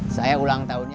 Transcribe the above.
saya ulang tahunnya